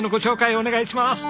お願いします！